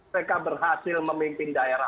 mereka berhasil memimpin daerah